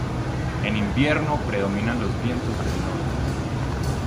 En invierno predominan los vientos del norte.